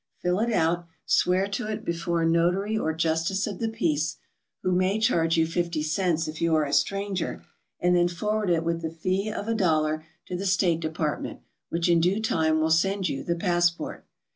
Fill it out, swear to it before a notary or justice of the peace (who may charge you 50 cents if you are a stranger), and then forward it with the fee of ? dollar to the State Depart ment, which in due time will send you the passport.